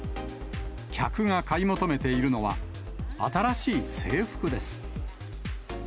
客が買い求めているのは、新しい制服です。